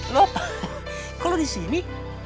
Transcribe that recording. loh kok lo disini